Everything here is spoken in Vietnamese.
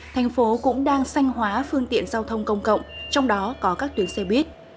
thành phố cũng đang xanh hóa phương tiện giao thông công cộng trong đó có các tuyến xe buýt